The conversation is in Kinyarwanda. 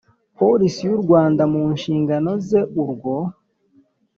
Polisi y u Rwanda mu nshingano ze Urwo